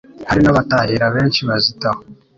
Hari n'abatahira benshi bazitaho